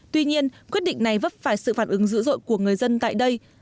tuy nhiên quyết định này vấp phải sự phản ứng dữ dội của người dân tại đây